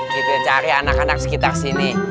gitu cari anak anak sekitar sini